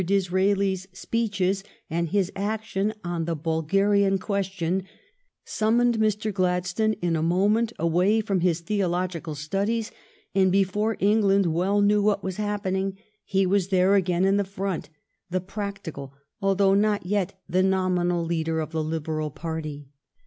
Disraeli's speeches and his action on the Bulgarian question summoned Mr. Gladstone in a moment away from his theologi cal studies, and, before England well knew what was happening, he was there again to the front, the practical, although not yet the nominal, leader of the Liberal party.